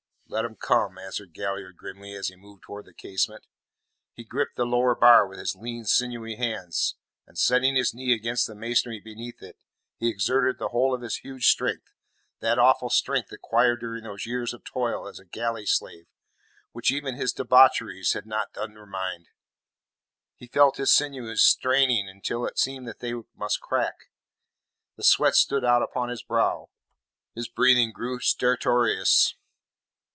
"Let him come," answered Galliard grimly, as he moved towards the casement. He gripped the lower bar with his lean, sinewy hands, and setting his knee against the masonry beneath it, he exerted the whole of his huge strength that awful strength acquired during those years of toil as a galley slave, which even his debaucheries had not undermined. He felt his sinews straining until it seemed that they must crack; the sweat stood out upon his brow; his breathing grew stertorous.